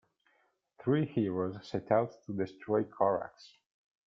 Three heroes set out to destroy Korax.